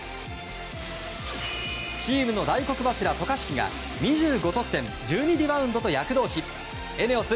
チームの大黒柱、渡嘉敷が２５得点１２リバウンドと躍動しＥＮＥＯＳ